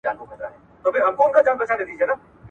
زه به نه یم ستا جلګې به زرغونې وي